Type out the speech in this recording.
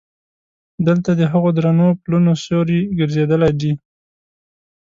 دلته د هغو درنو پلونو سیوري ګرځېدلی دي.